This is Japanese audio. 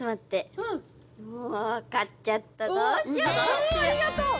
うわありがとう！